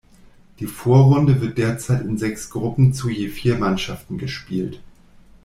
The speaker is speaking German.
Die Vorrunde wird derzeit in sechs Gruppen zu je vier Mannschaften gespielt.